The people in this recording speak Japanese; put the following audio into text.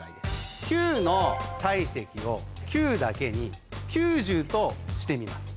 球の体積をキュウだけに９０としてみます。